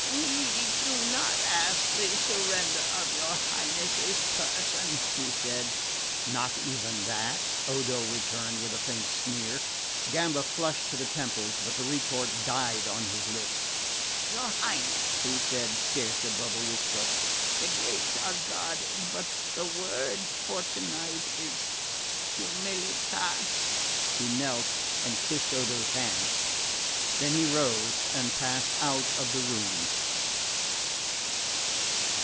"We do not ask the surrender of your Highness's person," he said. "Not even that?" Odo returned with a faint sneer. Gamba flushed to the temples, but the retort died on his lips. "Your Highness," he said, scarce above a whisper, "the gates are guarded; but the word for tonight is 'Humilitas.'" He knelt and kissed Odo's hand. Then he rose and passed out of the room...